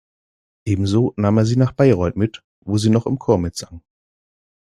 Ebenso nahm er sie nach Bayreuth mit, wo sie noch im Chor mitsang.